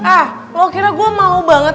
ah lu kira gua mau banget